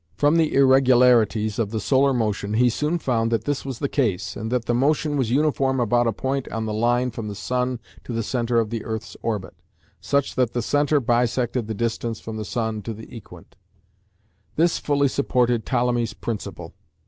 From the irregularities of the solar motion he soon found that this was the case, and that the motion was uniform about a point on the line from the sun to the centre of the earth's orbit, such that the centre bisected the distance from the sun to the "Equant"; this fully supported Ptolemy's principle.